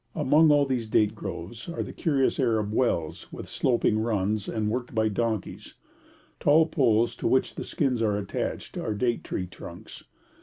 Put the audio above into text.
Amongst all these date groves are the curious Arab wells, with sloping runs, and worked by donkeys. The tall poles, to which the skins are attached, are date tree trunks.